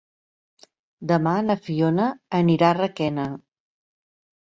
Demà na Fiona anirà a Requena.